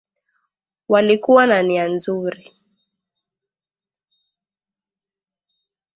walikuwa na nia nzuri